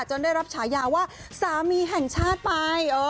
ได้รับฉายาว่าสามีแห่งชาติไป